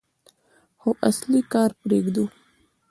خو اصلي کار پرېږدو.